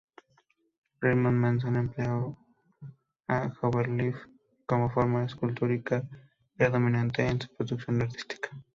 Raymond Mason empleó el bajorrelieve como forma escultórica predominante en su producción artística.